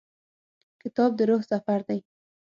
کتاب د روح سفر دی.